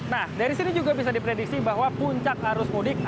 nah dari sini juga bisa diprediksi bahwa puncak arus mudik